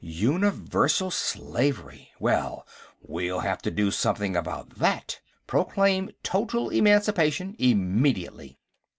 Universal slavery! Well, we'll have to do something about that. Proclaim total emancipation, immediately."